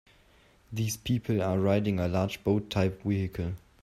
These people are riding a large boat type vehicle.